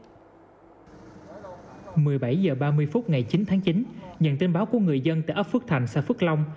một mươi bảy h ba mươi phút ngày chín tháng chín nhận tin báo của người dân tại ấp phước thành xã phước long